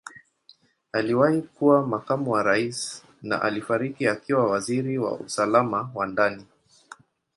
Aliwahi kuwa Makamu wa Rais na alifariki akiwa Waziri wa Usalama wa Ndani.